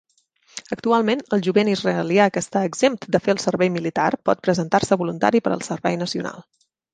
Actualment, el jovent israelià que està exempt de fer el servei militar pot presentar-se voluntari per al servei nacional.